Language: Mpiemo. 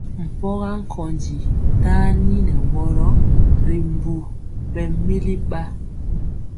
Mpɔga nkondi taniŋeworo ri mbu ɓɛmili ba.